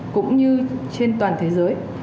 cũng như trên toàn thế giới